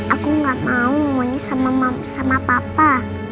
aku gak mau mau nyisam sama papa